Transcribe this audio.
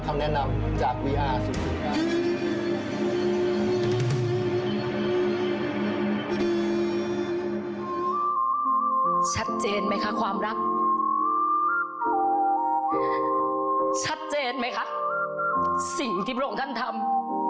ชัดเจนไหมคะสิ่งที่โปรงท่านทำ